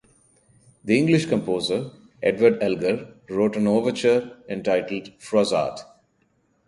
The English composer Edward Elgar wrote an overture entitled "Froissart".